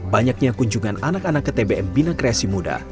banyaknya kunjungan anak anak ke tbm bina kreasi muda